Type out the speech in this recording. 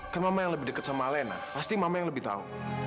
kan mama yang lebih dekat sama lena pasti mama yang lebih tahu